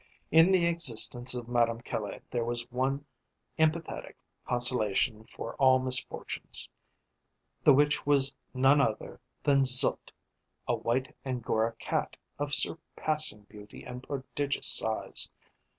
In the existence of Madame Caille there was one emphatic consolation for all misfortunes, the which was none other than Zut, a white angora cat of surpassing beauty and prodigious size.